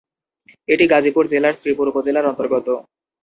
এটি গাজীপুর জেলার শ্রীপুর উপজেলার অন্তর্গত।